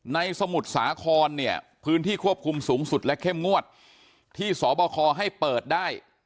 สมุทรสาครเนี่ยพื้นที่ควบคุมสูงสุดและเข้มงวดที่สบคให้เปิดได้